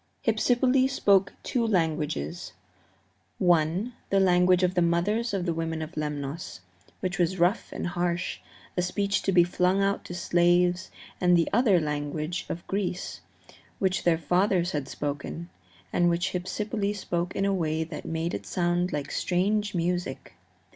Hypsipyle spoke two languages one, the language of the mothers of the women of Lemnos, which was rough and harsh, a speech to be flung out to slaves, and the other the language of Greece, which their fathers had spoken, and which Hypsipyle spoke in a way that made it sound like strange music.